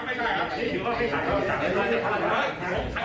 ผมปฏิเสธพี่ผมปฏิบัติได้พี่